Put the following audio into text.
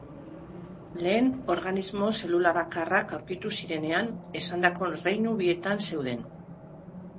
Lehen organismo zelulabakarrak aurkitu zirenean, esandako erreinu bietan zeuden.